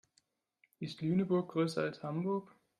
Ist Lüneburg größer als Hamburg?